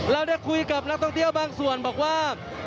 เราได้คุยกับนักท่องเที่ยวบางส่วนบอกว่า